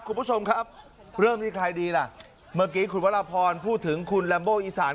คุณผู้ชมครับเรื่องนี้ใครดีล่ะเมื่อกี้คุณวรพรพูดถึงคุณลัมโบอีสาน